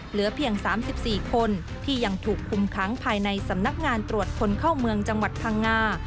เหลือเพียง๓๔คนที่ยังถูกคุมค้างภายในสำนักงานตรวจคนเข้าเมืองจังหวัดพังงา